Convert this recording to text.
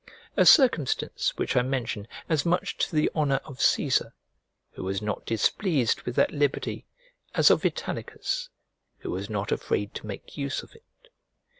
A circumstance which I mention as much to the honour of Cæsar, who was not displeased with that liberty, as of Italicus, who was not afraid to make use of it.